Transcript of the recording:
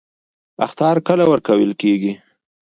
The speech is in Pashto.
اخطار کله ورکول کیږي؟